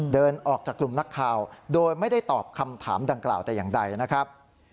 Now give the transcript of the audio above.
เดินออกจากกลุ่มนักข่าวโดยไม่ได้ตอบคำถามดังกล่าวแต่อย่างใดนะครับ